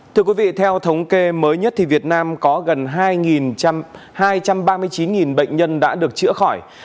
thưa quý vị theo thống kê mới nhất thì việt nam có gần hai trăm ba mươi chín bệnh nhân đã được chữa khỏi